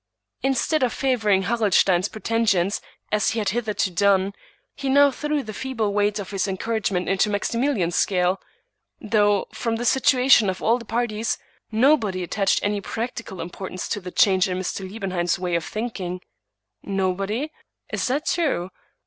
Instead of favoring Harrelstein's preten sions, as he had hitherto done, he now threw the feeble weight of his encouragement into Maximilian's scale; though, from the situation of all the parties, nobody at tached any practical importance to the change in Mr. Lie benheim's way of thinking. Nobody? Is that true?